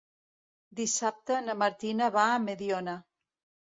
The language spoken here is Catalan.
Dissabte na Martina va a Mediona.